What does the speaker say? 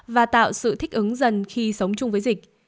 và tạo sự thích ứng dần khi sống chung với dịch